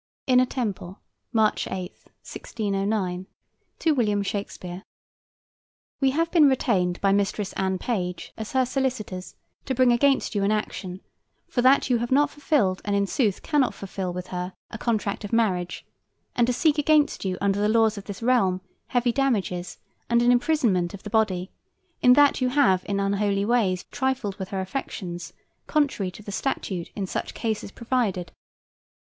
INNER TEMPLE, March 8, 1609. To WILLIAM SHAKESPEARE: We have been retained by Mistress Anne Page as her solicitors to bring against you an action, for that you have not fulfilled and in sooth cannot fulfil with her a contract of marriage, and to seek against you under the laws of this realm heavy damages and an imprisonment of the body, in that you have in unholy ways trifled with her affections, contrary to the statute in such cases provided.